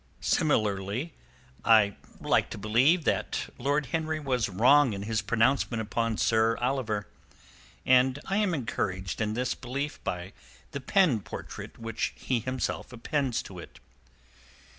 Similarly, I like to believe that Lord Henry was wrong in his pronouncement upon Sir Oliver, and I am encouraged in this belief by the pen portrait which he himself appends to it.